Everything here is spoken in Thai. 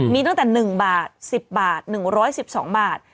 มีตั้งแต่๑บาท๑๐บาท๑๑๒บาท